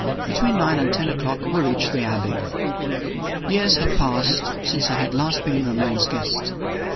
Between nine and ten o'clock we reached the Abbey. Years had passed since I had last been Romayne's guest.